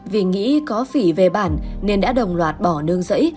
vì nghĩ có phỉ về bản nên đã đồng loạt bỏ nương rẫy